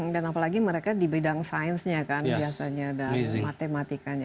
dan apalagi mereka di bidang sainsnya kan biasanya dan matematikanya